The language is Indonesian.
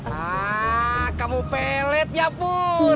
ah kamu pelet ya bu